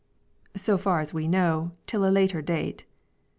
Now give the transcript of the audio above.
so far as we know, till a later date.